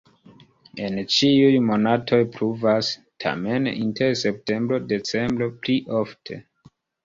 En ĉiuj monatoj pluvas, tamen inter septembro-decembro pli ofte.